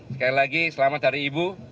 sekali lagi selamat cari ibu